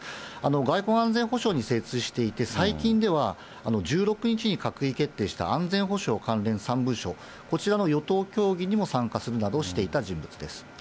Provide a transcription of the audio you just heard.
外交・安全保障に精通していて、最近では、１６日に閣議決定した安全保障関連３文書、こちらの与党協議にも参加するなどしていた人物です。